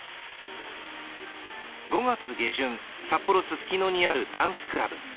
５月下旬、札幌・ススキノにあるダンスクラブ。